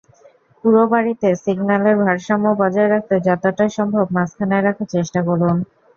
পুরো বাড়িতে সিগন্যালের ভারসাম্য বজায় রাখতে যতটা সম্ভব মাঝখানে রাখার চেষ্টা করুন।